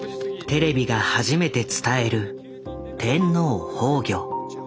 テレビが初めて伝える天皇崩御。